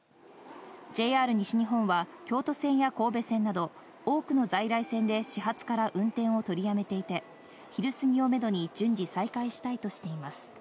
ＪＲ西日本は京都線や神戸線など、多くの在来線で始発から運転を取り止めていて、昼過ぎをめどに順次再開したいとしています。